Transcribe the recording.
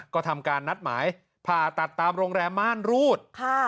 ก็ทำการนัดหมายผ่าตัดตามโรงแรมม่านรูด